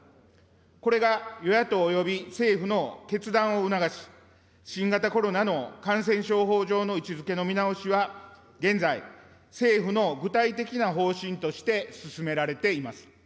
これが与野党および政府の決断を促し、新型コロナの感染症法上の位置づけの見直しは現在、政府の具体的な方針として進められています。